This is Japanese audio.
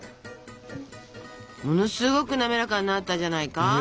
ものすごく滑らかになったんじゃないか？